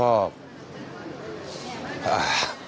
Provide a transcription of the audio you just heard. อ่า